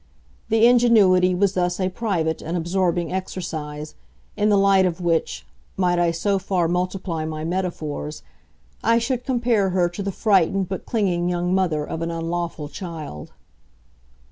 The ingenuity was thus a private and absorbing exercise, in the light of which, might I so far multiply my metaphors, I should compare her to the frightened but clinging young mother of an unlawful child.